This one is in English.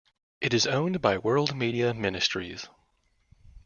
It is owned by World Media Ministries.